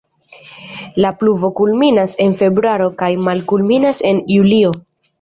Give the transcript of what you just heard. La pluvo kulminas en februaro kaj malkulminas en julio.